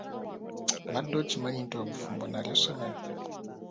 Obadde okimanyi nti obufumbo nalyo ssomero?